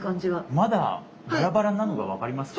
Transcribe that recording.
まだバラバラなのが分かりますか？